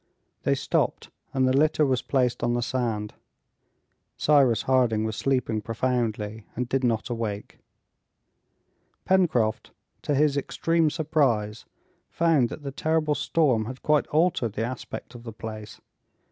They stopped, and the litter was placed on the sand; Cyrus Harding was sleeping profoundly, and did not awake. Pencroft, to his extreme surprise, found that the terrible storm had quite altered the aspect of the place.